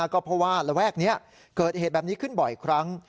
ก็เพราะว่าระแวกนี้เกิดเหตุแบบนี้ขึ้นบ่อยครั้ง